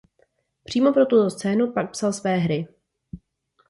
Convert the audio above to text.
Přímo pro tuto scénu pak psal své hry.